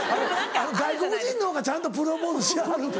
外国人のほうがちゃんとプロポーズしはるて。